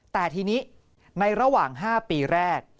แต่ทีนี้ในระหว่าง๕ปีแรก